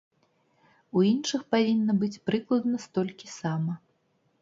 У іншых павінна быць прыкладна столькі сама.